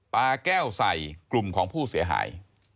ปลาแก้วใส่กลุ่มของผู้เสียหาย